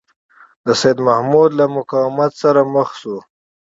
د سیدمحمود له مقاومت سره مخامخ شو.